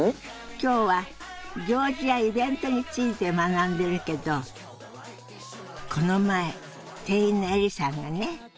今日は行事やイベントについて学んでるけどこの前店員のエリさんがね